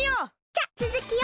じゃつづきを！